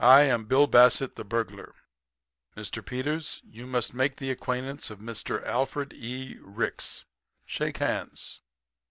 I am Bill Bassett, the burglar. Mr. Peters, you must make the acquaintance of Mr. Alfred E. Ricks. Shake hands.